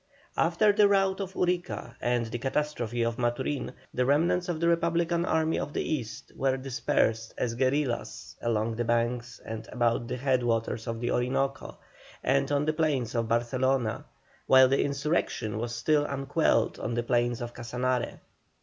After the rout of Urica, and the catastrophe of Maturin, the remnants of the Republican army of the East were dispersed as guerillas along the banks and about the head waters of the Orinoco, and on the plains of Barcelona, while the insurrection was still unquelled on the plains of Casanare.